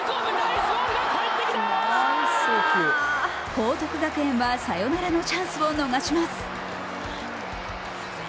報徳学園はサヨナラのチャンスを逃します。